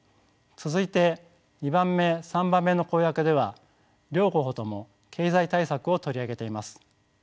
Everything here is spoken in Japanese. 続いて２番目３番目の公約では両候補とも経済対策を取り上げています。